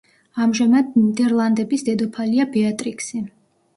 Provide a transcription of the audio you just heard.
ამჟამად ნიდერლანდების დედოფალია ბეატრიქსი.